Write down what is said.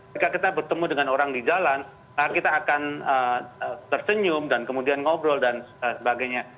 ketika kita bertemu dengan orang di jalan kita akan tersenyum dan kemudian ngobrol dan sebagainya